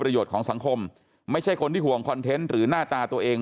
ของสังคมไม่ใช่คนที่ห่วงคอนเทนต์หรือหน้าตาตัวเอง